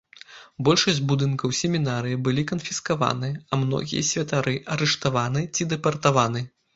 Большасць будынкаў семінарыі былі канфіскаваны, а многія святары арыштаваны ці дэпартаваны.